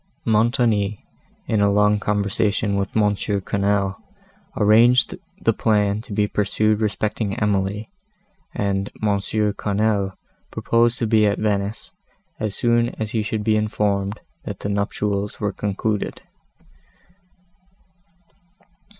Montoni, in a long conversation with M. Quesnel, arranged the plan to be pursued respecting Emily, and M. Quesnel proposed to be at Venice, as soon as he should be informed, that the nuptials were concluded.